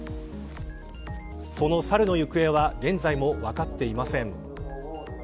そのサルの行方は現在も分かっていません。